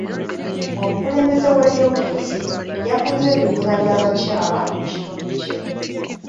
Omukulembeze w'ebyobufuzi yakunze ebibiina by'abakyala mu kitundu kye.